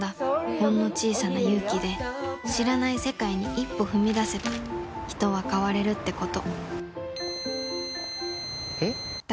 ほんの小さな勇気で知らない世界に一歩踏み出せば人は変われるってことピー！